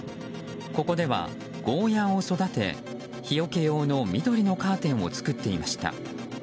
ここではゴーヤーを育て日よけ用の緑のカーテンを作っていました。